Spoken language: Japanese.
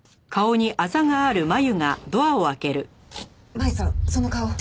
麻友さんその顔！